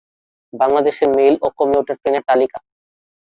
বাংলাদেশের মেইল ও কমিউটার ট্রেনের তালিকা